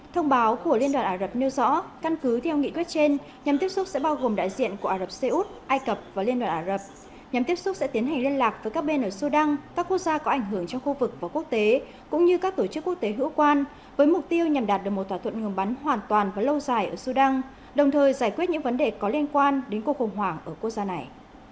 thông báo của liên đoàn ả rập nêu rõ căn cứ theo nghị quyết trên nhằm tiếp xúc sẽ bao gồm đại diện của ả rập xê út ai cập và liên đoàn ả rập nhằm tiếp xúc sẽ tiến hành liên lạc với các bên ở sudan các quốc gia có ảnh hưởng cho khu vực và quốc tế cũng như các tổ chức quốc tế hữu quan với mục tiêu nhằm đạt được một thỏa thuận ngừng bắn hoàn toàn và lâu dài ở sudan đồng thời giải quyết những vấn đề có liên quan đến cuộc khủng hoảng ở quốc gia này